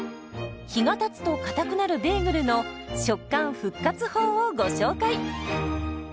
日がたつとかたくなるベーグルの食感復活法をご紹介。